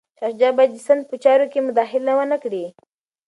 شاه شجاع باید د سند په چارو کي مداخله ونه کړي.